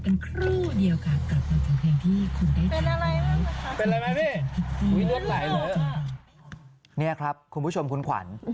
นี่ครับคุณผู้ชมคุณขวัญ